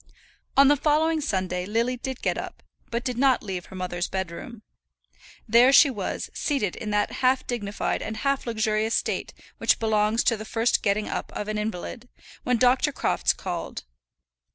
On the following Sunday Lily did get up, but did not leave her mother's bedroom. There she was, seated in that half dignified and half luxurious state which belongs to the first getting up of an invalid, when Dr. Crofts called.